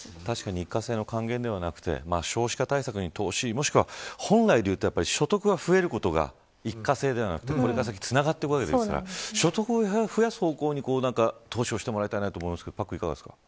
一過性の還元ではなくて少子化対策に投資もしくは本来でいうと所得が増えることが一過性ではなくてこれから先つながっていくわけですから所得を増やす方向に投資をしてもらいたいと思いますがパックン、いかがですか。